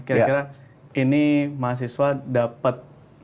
kira kira ini mahasiswa dapat